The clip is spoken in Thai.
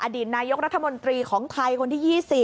อดีตนายกรัฐมนตรีของไทยคนที่๒๐